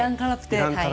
はい。